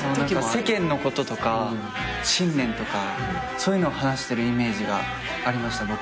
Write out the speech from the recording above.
世間のこととか信念とかそういうのを話してるイメージがありました僕は。